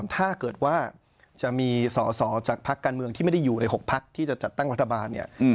ถ้าเกิดว่าจะมีสอสอจากพักการเมืองที่ไม่ได้อยู่ใน๖พักที่จะจัดตั้งรัฐบาลเนี่ย